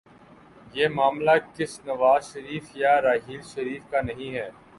یہ معاملہ کسی نواز شریف یا راحیل شریف کا نہیں ہے۔